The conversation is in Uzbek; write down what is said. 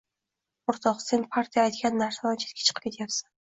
«O‘rtoq, sen partiya aytgan narsadan chetga chiqib ketyapsan